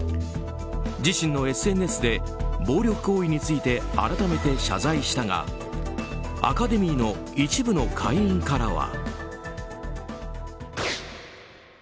自身のＳＮＳで暴力行為について改めて謝罪したがアカデミーの一部の会員からは。